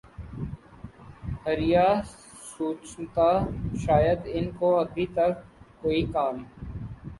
ھر یہ سوچتا شاید ان کو ابھی تک کوئی کام